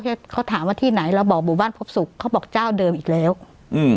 เขาถามว่าที่ไหนเราบอกหมู่บ้านพบศุกร์เขาบอกเจ้าเดิมอีกแล้วอืม